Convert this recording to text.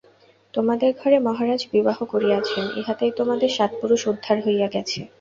তোমাদের ঘরে মহারাজ বিবাহ করিয়াছেন, ইহাতেই তোমাদের সাত পুরুষ উদ্ধার হইয়া গেছে।